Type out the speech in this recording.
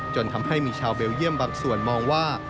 จนทำให้มีชาวเบลเยี่ยมบางส่วนมองว่า